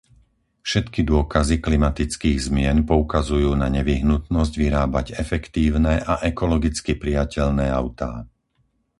Všetky dôkazy klimatických zmien poukazujú na nevyhnutnosť vyrábať efektívne a ekologicky prijateľné autá.